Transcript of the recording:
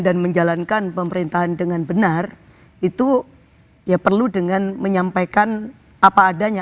dan menjalankan pemerintahan dengan benar itu ya perlu dengan menyampaikan apa adanya